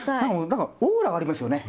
何かオーラがありますよね。